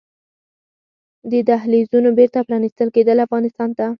د دهلېزونو بېرته پرانيستل کیدل افغانستان ته